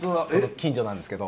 近所なんですけど。